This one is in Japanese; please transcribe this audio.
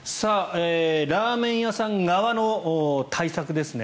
ラーメン屋さん側の対策ですね。